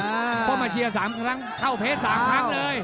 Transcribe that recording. เพราะมาเชียร์๓ครั้งเข้าเพจ๓ครั้งเลย